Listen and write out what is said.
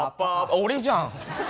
俺じゃん！